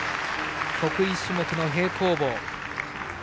得意種目の平行棒。